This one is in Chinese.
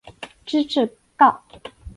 知制诰。